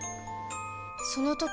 その時